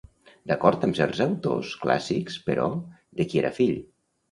D'acord amb certs autors clàssics, però, de qui era fill?